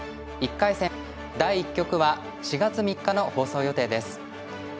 １回戦第１局は４月３日の放送予定です。